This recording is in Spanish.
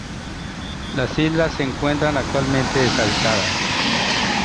Las islas se encuentran actualmente deshabitadas.